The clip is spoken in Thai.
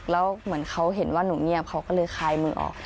แล้วเหมือนเขาเห็นว่าหนูเงียบเขาก็เลยคายมือออก